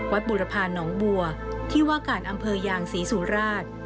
บุรพาน้องบัวที่ว่าการอำเภอยางศรีสุราช